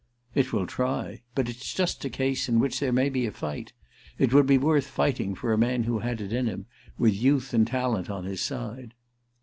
"It will try—but it's just a case in which there may be a fight. It would be worth fighting, for a man who had it in him, with youth and talent on his side."